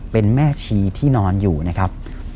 เป็นแม่ชีที่นอนอยู่นะครับ